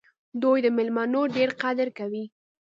دوی د میلمنو ډېر قدر کوي.